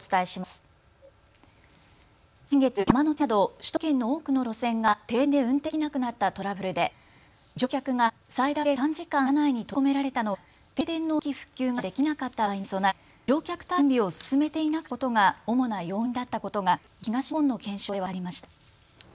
先月、山手線など首都圏の多くの路線が停電で運転できなくなったトラブルで乗客が最大で３時間車内に閉じ込められたのは停電の早期復旧ができなかった場合に備え乗客対応の準備を進めていなかったことが主な要因だったことがＪＲ東日本の検証で分かりました。